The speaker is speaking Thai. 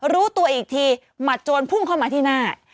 รู้ตัวอีกทีหมัดโจรพุ่งเข้ามาที่หน้า